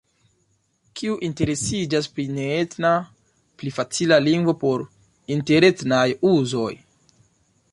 Kiu interesiĝas pri neetna pli facila lingvo por interetnaj uzoj?